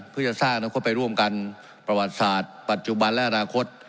เพื่อจะสร้างอนาคตไปร่วมกันประวัติศาสตร์ปัจจุบันและอนาคต